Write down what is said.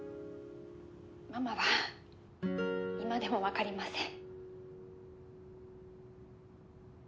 ママは今でも分かりません。